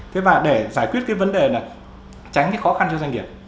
thế và để giải quyết cái vấn đề là tránh cái khó khăn cho doanh nghiệp